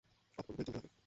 অতঃপর উভয়ে চলতে লাগলেন।